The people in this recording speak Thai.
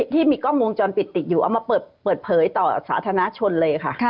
ที่มีกล้องวงจรปิดติดอยู่เอามาเปิดเผยต่อสาธารณชนเลยค่ะ